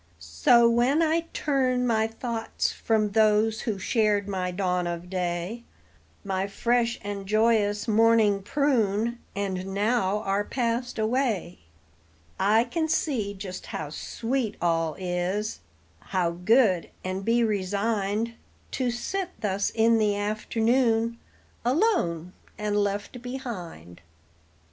So when I turn my thoughts from those who shared my dawn of day, My fresh and joyous morning prune, and now are passed away, I can see just how sweet all is, how good, and be resigned To sit thus in the afternoon, alone and left behind.